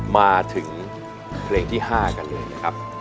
มาถึงเพลงที่๕กันเลยนะครับ